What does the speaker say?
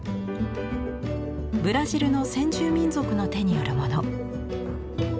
ブラジルの先住民族の手によるもの。